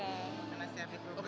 karena shirley belum menikah